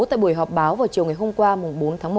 tại buổi họp báo vào chiều ngày hôm qua bốn tháng một